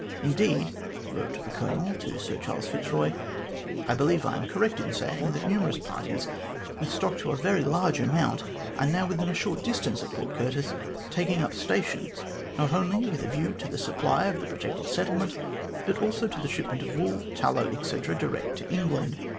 " Indeed," wrote the Colonel to Sir Charles Fitzroy, " I believe I am correct in saying that numerous parties, with stock to a very large amount, are now within a short distance of Port Curtis, taking up stations, not only with a view to the supply of the projected settlement, but also to the shipment of wool, tallow, etc., direct to England.